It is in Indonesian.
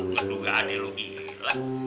ngeduga adek lu gila